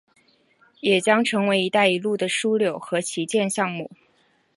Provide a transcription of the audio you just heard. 也将成为一带一路的枢纽和旗舰项目。